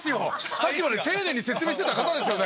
さっきまで丁寧に説明してた方ですよね